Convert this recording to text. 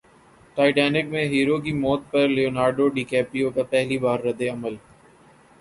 Titanic میں hero کی موت پر لیونارڈو ڈی کیپریو کا پہلی بار ردعمل